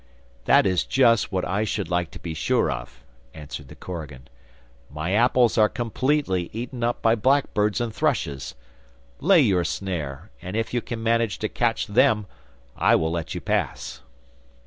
'That is just what I should like to be sure of,' answered the korigan. 'My apples are completely eaten up by blackbirds and thrushes. Lay your snare, and if you can manage to catch them, I will let you pass.